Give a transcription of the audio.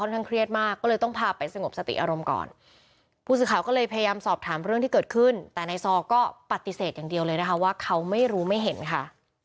แต่ในซอก็ปฏิเสธอย่างเดียวเลยนะคะว่าเขาไม่รู้ไม่เห็นค่ะ